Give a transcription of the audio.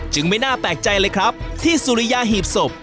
ไม่น่าแปลกใจเลยครับที่สุริยาหีบศพ